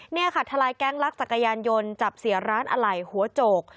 นี่ค่ะทะลายแก๊งลักจักรยานยนต์จับเสียร้านอะไหล่หัวโจก